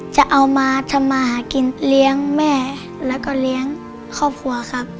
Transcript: จะเอามาทำมาหากินเลี้ยงแม่แล้วก็เลี้ยงครอบครัวครับ